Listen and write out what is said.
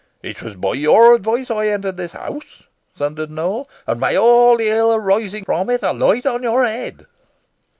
"It was by your advice I entered this house," thundered Nowell, "and may all the ill arising from it alight upon your head!"